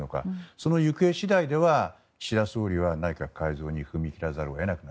その行方次第では岸田総理は内閣改造に踏み切らざるを得ない。